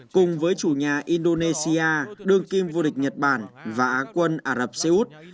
cùng với chủ nhà indonesia đương kim vô địch nhật bản và á quân ả rập xê út